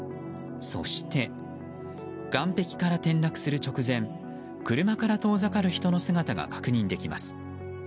そして、岸壁から転落する直前車から遠ざかる人の姿が確認できます。